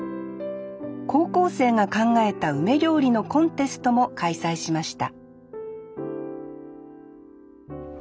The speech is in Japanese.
高校生が考えた梅料理のコンテストも開催しました